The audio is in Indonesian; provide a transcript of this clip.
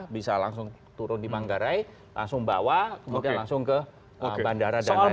bisa langsung turun di manggarai langsung bawa kemudian langsung ke bandara dan lain lain